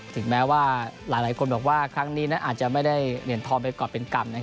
ถึงแม้ว่าหลายคนบอกว่าครั้งนี้นั้นอาจจะไม่ได้เหรียญทองไปก่อนเป็นกรรม